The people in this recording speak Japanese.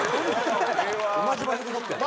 同じ場所で撮ってるの？